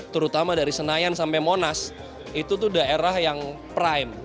terutama dari senayan sampai monas itu tuh daerah yang prime